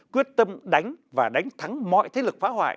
quyết tâm đánh và đánh thắng mọi thế lực phá hoại